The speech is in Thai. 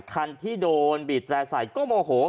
คันที่โดนบีบแตร่ใส่ก็โมโห